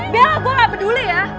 bel gue gak peduli ya